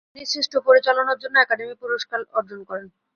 তিনি শ্রেষ্ঠ পরিচালনার জন্য একাডেমি পুরস্কার অর্জন করেন।